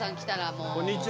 もう。